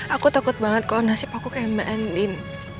aku takut banget kalau nasib aku kayak mbak endin